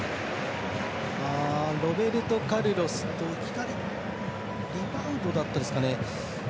ロベルト・カルロスとリバウドだったですかね。